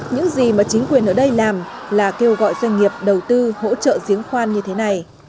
những gì mà chính quyền ở đây làm là kêu gọi doanh nghiệp đầu tư hỗ trợ giếng khoan như thế này